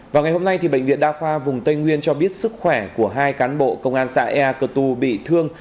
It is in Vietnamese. vào ngày hôm nay bệnh viện đa khoa vùng tây nguyên cho biết sức khỏe của hai cán bộ công an xã ea cơ tu bị thương